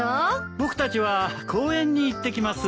僕たちは公園に行ってきます。